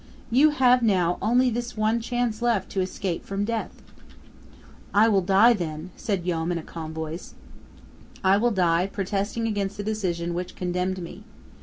You have now only this one chance left to escape from death!" "I will die, then," said Joam, in a calm voice. "I will die protesting against the decision which condemned me!